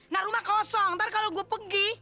nah rumah kosong ntar kalau gue pergi